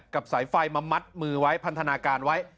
สายไฟมามัดมือไว้พันธนาการไว้